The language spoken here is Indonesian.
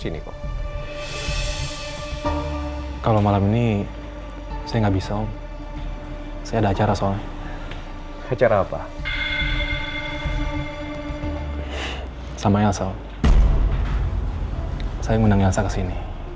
saya keluar dari rumah sakit